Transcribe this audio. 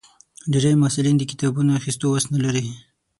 ډېری محصلین د کتابونو اخیستو وس نه لري.